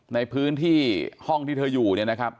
ในพื้นที่ห้องที่เธออยู่เนี่ยนะครับ